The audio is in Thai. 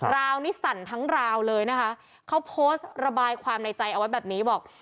ราวนี้สั่นทั้งราวเลยนะคะเขาโพสต์ระบายความในใจเอาไว้แบบนี้บอก